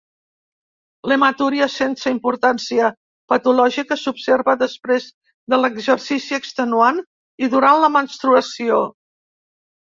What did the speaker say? L'hematúria sense importància patològica s'observa després de l'exercici extenuant i durant la menstruació.